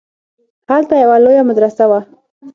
هلته يوه لويه مدرسه وه.